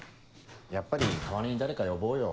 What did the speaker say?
やっぱり代わりに誰か呼ぼうよ。